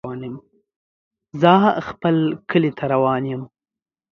زه خپل کلي ته روان يم.